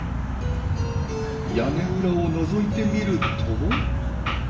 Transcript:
屋根裏をのぞいてみると。